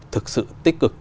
thực sự tích cực